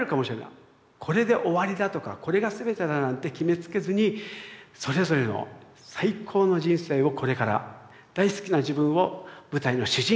これで終わりだとかこれが全てだなんて決めつけずにそれぞれの最高の人生をこれから大好きな自分を舞台の主人公に置いて。